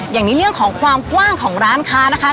อย่างนี้เรื่องของความกว้างของร้านค้านะคะ